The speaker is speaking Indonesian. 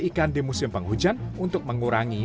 ikan di musim penghujan untuk mengurangi